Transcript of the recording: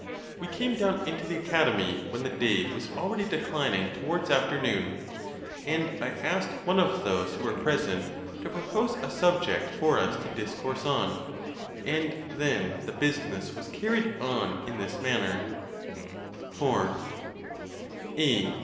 ; We came down into the Academy when the day was already declining towards afternoon, and I asked one of those who were present to propose a subject for us to dis course on; and then the business was carried on in this manner: 0 A.